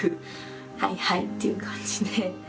「はいはい」っていう感じで。